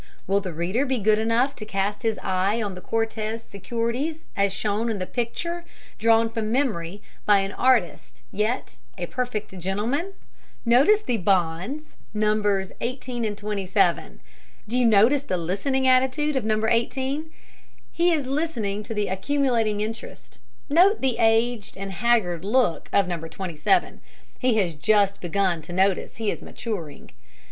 Will the reader be good enough to cast his eye on the Cortez securities as shown in the picture drawn from memory by an artist yet a perfect gentleman? [Illustration: BANK OF CORTEZ.] Notice the bonds Nos. 18 and 27. Do you notice the listening attitude of No. 18? He is listening to the accumulating interest. Note the aged and haggard look of No. 27. He has just begun to notice that he is maturing.